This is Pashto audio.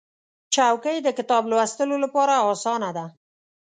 چوکۍ د کتاب لوستلو لپاره اسانه ده.